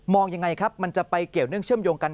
ยังไงครับมันจะไปเกี่ยวเนื่องเชื่อมโยงกัน